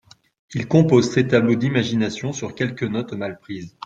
Il compose ses tableaux d'imagination sur quelques notes mal prises.